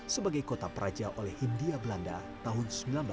sebagai kota peraja oleh hindia belanda tahun seribu sembilan ratus sembilan puluh